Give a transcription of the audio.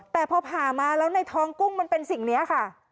แต่พอผ่ามาแล้วในท้องกุ้งมันเป็นสิ่งนี้ค่ะ